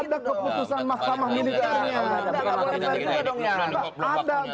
tidak boleh berhentikan juga dong ya